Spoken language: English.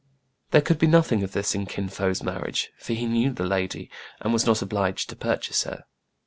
There could be nothing of this in Kin Fo*s mar riage ; for he knew the lady, and was not obliged to purchase her.